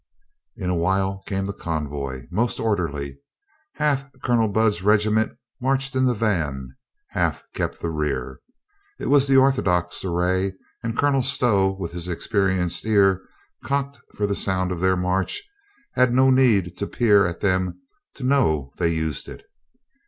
In a while came the convoy, most orderly. Half Colonel Budd's regiment marched in the van, half kept the rear. It was the orthodox array and Colonel Stow, with his experienced ear cocked for 254 COLONEL GREATHEART the sound of their march, had not need to peer at them to know they used it.